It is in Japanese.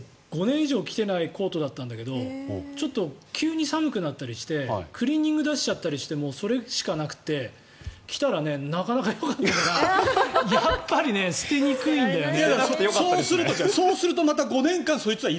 だけど今日着てきたコートは５年以上着ていないコートだったんだけどちょっと、急に寒くなったりしてクリーニングに出しちゃったりしてそれしかなくて着たらなかなかよかったからやっぱり捨てにくいんだよね。